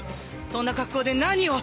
そんな格好で何を！？